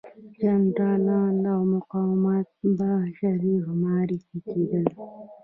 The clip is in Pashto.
جنرالان او مقامات به شریف معرفي کېدل.